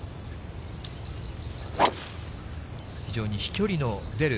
非常に飛距離の出る。